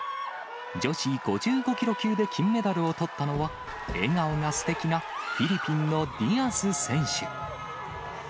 女子５５キロ級で金メダルをとったのは、笑顔がすてきなフィリピンのディアス選手。